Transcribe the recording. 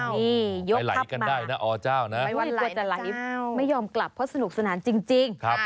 ว้าวไปไหลกันได้นะอเจ้านะไปวันไหลนะเจ้าไม่ยอมกลับเพราะสนุกสนานจริงครับ